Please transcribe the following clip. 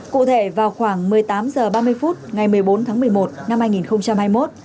cụ thể vào khoảng một mươi tám h ba mươi phút ngày một mươi bốn tháng một mươi một năm hai nghìn hai mươi một